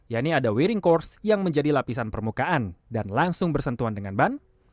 yaitu ada wearing course yang menjadi lapisan permukaan dan langsung bersentuhan dengan ban